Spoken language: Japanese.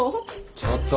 ちょっと！